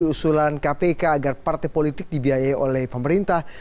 usulan kpk agar partai politik dibiayai oleh pemerintah